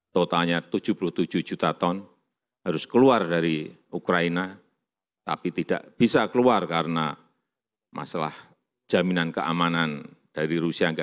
totalnya tujuh puluh tujuh juta ton harus keluar dari ukraina tapi tidak bisa keluar karena masalah jaminan keamanan dari rusia